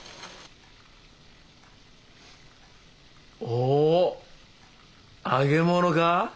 お揚げ物か？